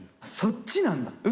そっちなんだ。